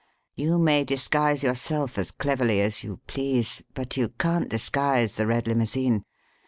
You may disguise yourself as cleverly as you please, but you can't disguise the red limousine.